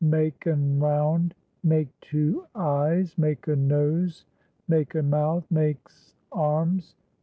Make un round. Make two eyes. Make a nose. Make a mouth. Make's arms.